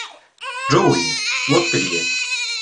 Джоуи, вот ты где.